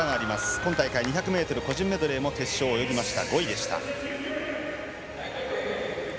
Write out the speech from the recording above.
今大会２００ｍ個人メドレーも決勝を泳いで５位でした。